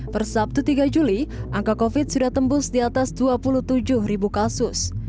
per sabtu tiga juli angka covid sudah tembus di atas dua puluh tujuh ribu kasus